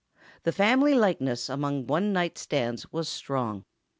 The family likeness among one night stands was strong.